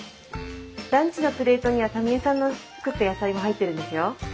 ランチのプレートにはタミ江さんの作った野菜も入ってるんですよ。